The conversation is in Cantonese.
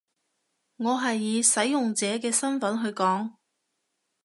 我係以使用者嘅身分去講